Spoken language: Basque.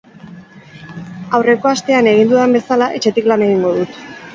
Aurreko astean egin dudan bezala, etxetik lan egingo dut.